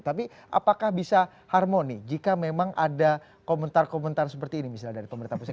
tapi apakah bisa harmoni jika memang ada komentar komentar seperti ini misalnya dari pemerintah pusat